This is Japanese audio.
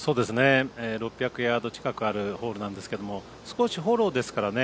６００ヤード近くあるホールなんですけど少しフォローですからね。